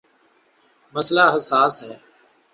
مسئلہ حساس ہے۔